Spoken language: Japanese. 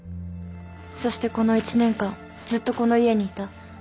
そしてこの一年間ずっとこの家にいた。